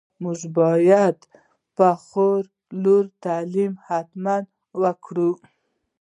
موږ باید په خور لور تعليم حتماً وکړو.